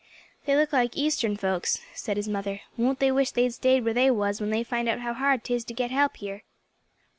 "They look like eastern folks," said his mother. "Won't they wish they'd staid where they was when they find out how hard 'tis to get help here?"